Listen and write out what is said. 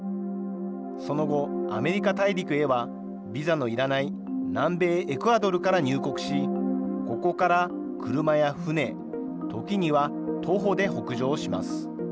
その後、アメリカ大陸へはビザのいらない南米エクアドルから入国し、ここから車や船、時には徒歩で北上します。